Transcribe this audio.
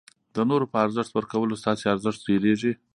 د نورو په ارزښت ورکولو ستاسي ارزښت ډېرېږي.